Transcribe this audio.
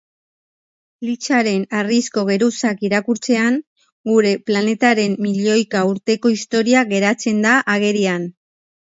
Flyscharen harrizko geruzak irakurtzean, gure planetaren milioika urteko historia geratzen da agerian.